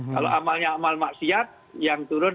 kalau amalnya amal maksiat yang turun